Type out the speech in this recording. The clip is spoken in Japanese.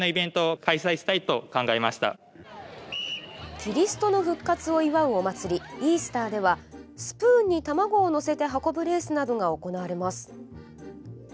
キリストの復活を祝うお祭り、イースターではスプーンに卵を載せて運ぶレースなどが行われます。